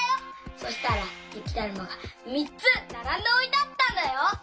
そしたらゆきだるまがみっつならんでおいてあったんだよ。